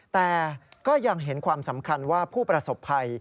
แต่ก็ยังเห็นความสำคัญว่าผู้ประสบภัย